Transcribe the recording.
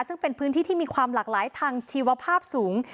ซึ่งเป็นพื้นที่ที่มีความหลากหลายทางชีวภาพสูง